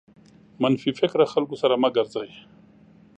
منفي فکره خلکو سره مه ګرځٸ.